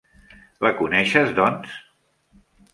La coneixes, doncs?